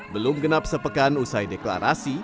belum genap sepekan usai deklarasi